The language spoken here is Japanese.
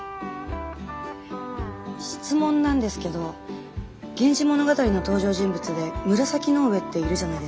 質問なんですけど「源氏物語」の登場人物で紫の上っているじゃないですか。